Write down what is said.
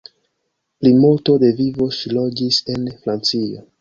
Plimulto de vivo ŝi loĝis en Francio.